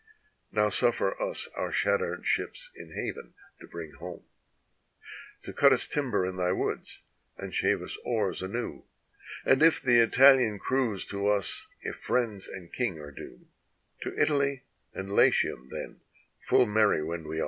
Now suffer us our shattered ships in haven to bring home, To cut us timber in thy woods, and shave us oars anew. Then if the ItaHan cruise to us, if friends and king are due, To Italy and Latium then full merry wend we on.